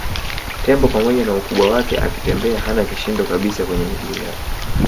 Tembo pamoja na ukubwa wake akitembea hana kishindo kabisa kwenye miguu yake